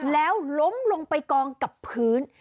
แล้วล้มลงไปกองกับพื้น